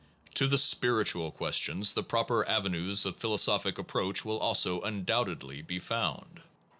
To the spiritual questions the proper avenues of philosophic approach will also undoubtedly be found.